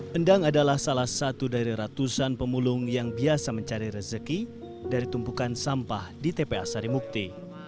pendang adalah salah satu dari ratusan pemulung yang biasa mencari rezeki dari tumpukan sampah di tpa sarimukti